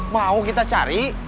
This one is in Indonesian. mau kita cari